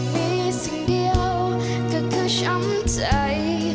มีสิ่งเดียวก็คือช้ำใจ